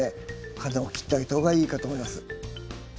花を切ってあげた方がいいかと思います。